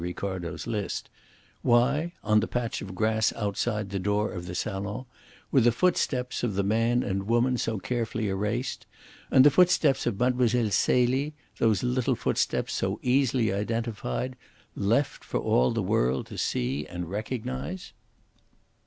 Ricardo's list why, on the patch of grass outside the door of the salon, were the footsteps of the man and woman so carefully erased, and the footsteps of Mlle. Celie those little footsteps so easily identified left for all the world to see and recognise?"